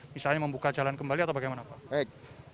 misalnya membuka jalan kembali atau bagaimana pak